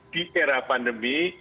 di era pandemi